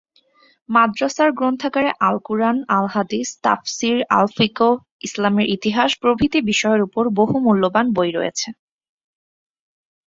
মাদ্রাসার গ্রন্থাগারে আল কুরআন, আল হাদিস, তাফসীর, আল ফিকহ, ইসলামের ইতিহাস প্রভৃতি বিষয়ের উপর বহু মূল্যবান বই রয়েছে।